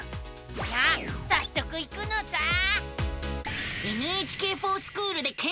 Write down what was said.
さあさっそく行くのさあ。